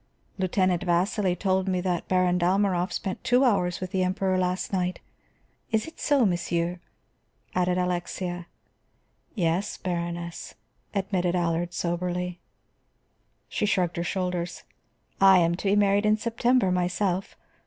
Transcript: "Lieutenant Vasili told me that Baron Dalmorov spent two hours with the Emperor last night. Is it so, monsieur?" added Alexia. "Yes, Baroness," admitted Allard soberly. She shrugged her shoulders. "I am to be married in September, myself.